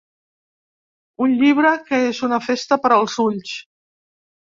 Un llibre que és una festa per als ulls.